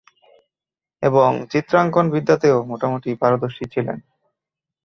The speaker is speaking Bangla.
এবং চিত্রাঙ্কন বিদ্যাতেও মোটামুটি পারদর্শী ছিলেন।